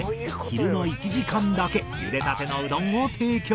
昼の１時間だけ茹でたてのうどんを提供